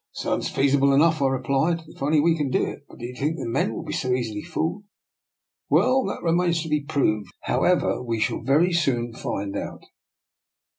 " It sounds feasible enough," I replied, " if only we can do it. But do you think the men will be so easily fooled? "Well, that remains to be proved. However, we shall very soon find out."